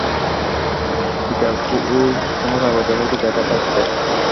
চিকাগোর কোন কাগজে হয়তো দেখে থাকবে।